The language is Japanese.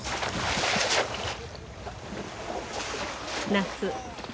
夏。